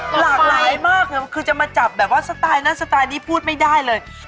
หลากหลายมากคือจะมาจับแบบว่าสไตล์นั้นสไตล์นี้พูดไม่ได้เลย